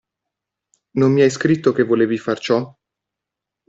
Non mi hai scritto che volevi far ciò?